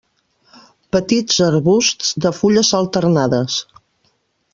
Petits arbusts de fulles alternades.